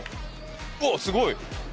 うわすごい！